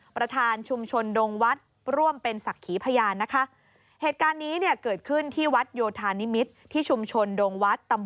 ประธานชุมชนดงวัดร่วมเป็นศักดิ์ขีพยานนะคะ